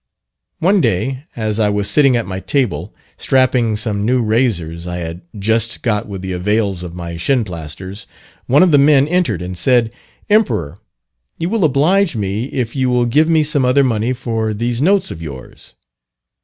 One day as I was sitting at my table, strapping some new razors I had just got with the avails of my "Shinplasters," one of the men entered and said, "Emperor, you will oblige me if you will give me some other money for these notes of yours."